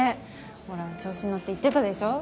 ほら調子乗って言ってたでしょ。